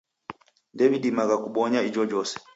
Ndew'idimagha kubonya ijojose.